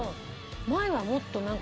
前はもっとなんか。